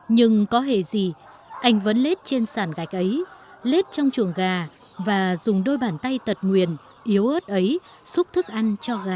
nhưng có hề gì anh vẫn lết trên sàn gạch ấy lết trong chuồng gà và dùng đôi bàn tay tật nguyền yếu ớt ấy xúc thức ăn cho gà